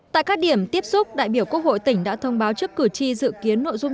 tại các điểm tiếp xúc đại biểu quốc hội tỉnh đã thông báo trước cử tri dự kiến nội dung